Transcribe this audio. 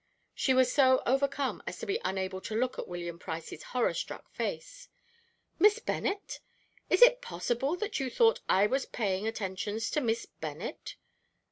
She was so overcome as to be unable to look at William Price's horror struck face. "Miss Bennet! It is possible that you thought I was paying attentions to Miss Bennet?